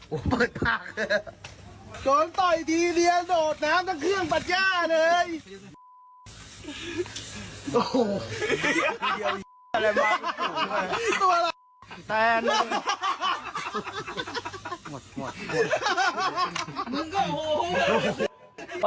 โหเปิดผาก